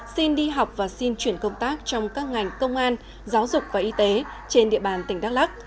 xin đi học và xin chuyển công tác trong các ngành công an giáo dục và y tế trên địa bàn tỉnh đắk lắc